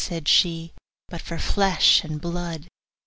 said she, 'but for flesh and blood.